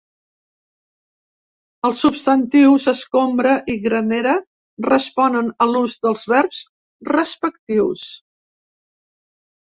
Els substantius escombra i granera responen a l’ús del verbs respectius.